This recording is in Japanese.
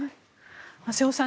瀬尾さん